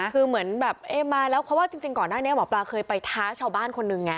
คือเหมือนแบบเอ๊ะมาแล้วเพราะว่าจริงก่อนหน้านี้หมอปลาเคยไปท้าชาวบ้านคนหนึ่งไง